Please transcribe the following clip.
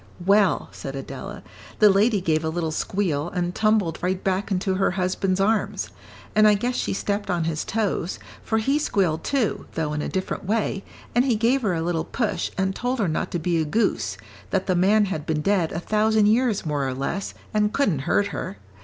"Well," said Adela, "the lady gave a little squeal, and tumbled right back into her husband's arms. And I guess she stepped on his toes, for he squealed, too, though in a different way, and he gave her a little push and told her not to be a goose, that the man had been dead a thousand years more or less and couldn't hurt her.